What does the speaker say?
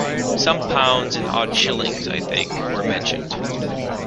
Some pounds, and odd shillings, I think, were mentioned.